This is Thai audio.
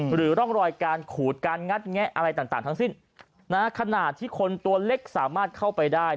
หรือร่องรอยการขูดการงัดแงะอะไรต่างทั้งสิ้นขนาดที่คนตัวเล็กสามารถเข้าไปได้